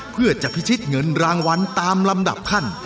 เพื่อจะพิชิตเงินรางวัลตามลำดับขั้น